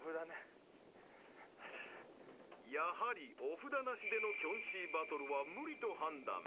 ［やはりお札なしでのキョンシーバトルは無理と判断］